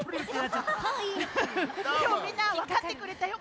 でもみんなわかってくれたよ。